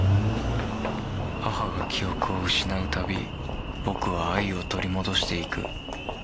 母が記憶を失う度僕は愛を取り戻していく。